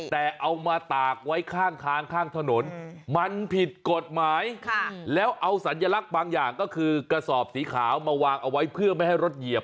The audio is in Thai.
แต่เอามาตากไว้ข้างทางข้างถนนมันผิดกฎหมายแล้วเอาสัญลักษณ์บางอย่างก็คือกระสอบสีขาวมาวางเอาไว้เพื่อไม่ให้รถเหยียบ